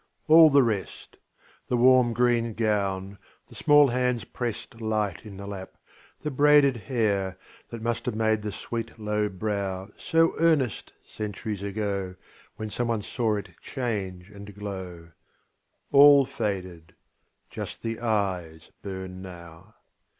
All the rest The warm green gown, the small hands pressed Light in the lap, the braided hair That must have made the sweet low brow So earnest, centuries ago, When some one saw it change and glow All faded! Just the eyes burn now.